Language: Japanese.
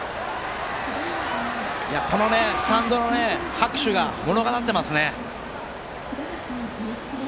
このスタンドの拍手が物語っていますね。